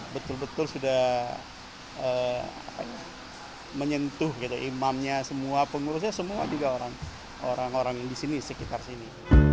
betul betul sudah menyentuh imamnya semua pengurusnya semua juga orang orang di sini sekitar sini